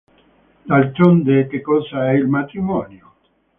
D'altronde, che cosa è il matrimonio?